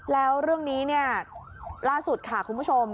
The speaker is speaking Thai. แล้วเรื่องนี้เนี่ยล่าสุดค่ะคุณผู้ชม